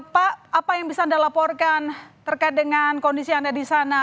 pak apa yang bisa anda laporkan terkait dengan kondisi anda di sana